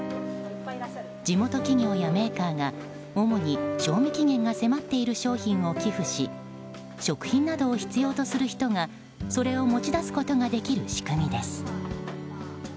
地元企業やメーカーが主に賞味期限が迫っている商品を寄付し食品などを必要とする人がそれを持ち出すことができる仕組みです。